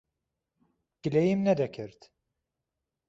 گلەییم نەدەکرد.